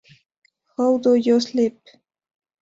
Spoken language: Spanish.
How Do You Sleep?